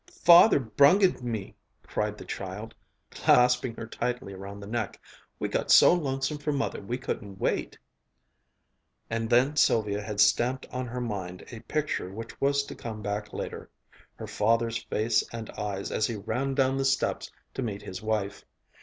"Father brungded me," cried the child, clasping her tightly around the neck. "We got so lonesome for Mother we couldn't wait." And then Sylvia had stamped on her mind a picture which was to come back later her father's face and eyes as he ran down the steps to meet his wife.